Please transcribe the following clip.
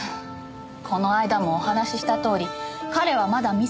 この間もお話ししたとおり彼はまだ未成年です。